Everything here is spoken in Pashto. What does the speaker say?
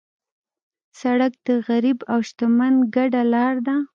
سړک د غریب او شتمن ګډه لار ده.